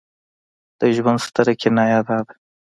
د ژوند ستره کنایه دا ده.